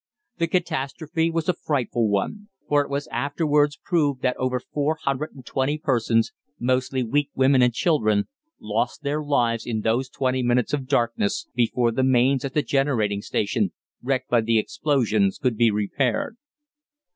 The catastrophe was a frightful one, for it was afterwards proved that over four hundred and twenty persons, mostly weak women and children, lost their lives in those twenty minutes of darkness before the mains at the generating station, wrecked by the explosions, could be repaired.